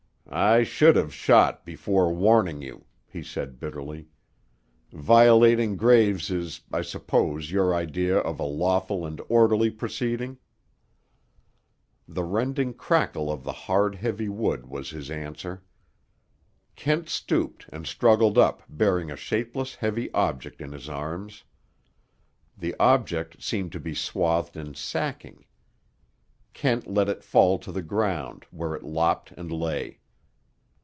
"I should have shot before warning you," he said bitterly. "Violating graves is, I suppose, your idea of a lawful and orderly proceeding." The rending crackle of the hard heavy wood was his answer. Kent stooped, and struggled up bearing a shapeless heavy object in his arms. The object seemed to be swathed in sacking. Kent let it fall to the ground, where it lopped and lay.